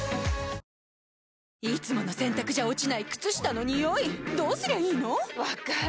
いつもの洗たくじゃ落ちない靴下のニオイどうすりゃいいの⁉分かる。